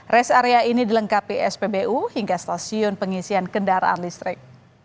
res area ini dilengkapi spbu hingga stasiun pengisian kendaraan listrik